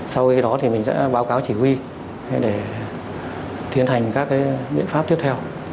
sau cái đó thì mình sẽ báo cáo chỉ huy để thiến hành các cái biện pháp tiếp theo